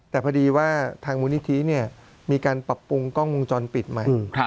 แต่พอดีว่าทางมูลนิธิมีการปรับปรุงกล้องวงจรปิดใหม่